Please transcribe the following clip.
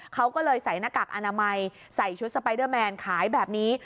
เขาก็เลยใส่หน้ากากอนามัยใส่ชุดสไปเดอร์แมนขายแบบนี้